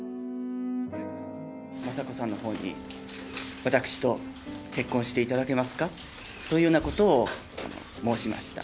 雅子さんのほうに、私と結婚していただけますかというようなことを申しました。